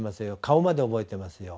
顔まで覚えてますよ。